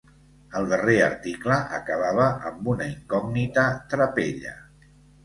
El darrer article acabava amb una incògnita trapella.